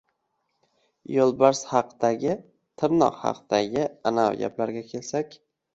Yo‘lbars haqidagi, tirnoq haqidagi anavi gaplarga kelsak...